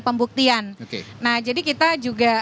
pembuktian nah jadi kita juga